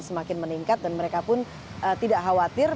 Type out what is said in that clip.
semakin meningkat dan mereka pun tidak khawatir